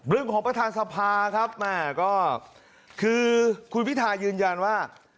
เรื่องของประธานสภาครับคือคุณพิธายืนยันว่า